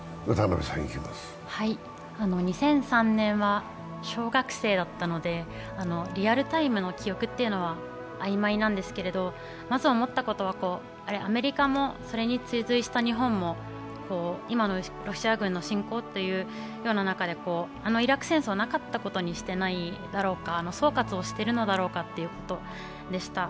２００３年は小学生だったのでリアルタイムの記憶っていうのはあいまいなんですけれども、まず思ったことはアメリカもそれに追随した日本も今のロシア軍の侵攻という中であのイラク戦争をなかったことにしてないだろうか、総括をしてるのだろうかということでした。